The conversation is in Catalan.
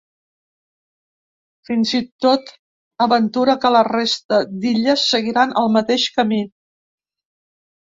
Fins i tot aventura que la resta d’illes seguiran el mateix camí.